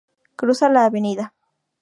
Cruza la Av.